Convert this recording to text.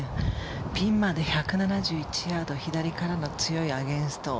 ピンまで１７１ヤード左からの強いアゲンスト。